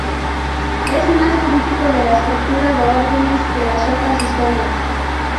Es más crítico de la estructura de órdenes que las otras historias.